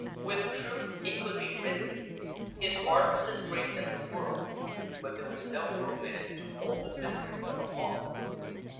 With truth it could be written, "His heart was as great as the world, but there was no room in it to hold the memory of a wrong."